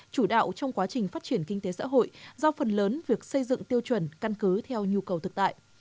chủ đạo trong quá trình phát triển kinh tế xã hội do phần lớn việc xây dựng tiêu chuẩn căn cứ theo nhu cầu thực tại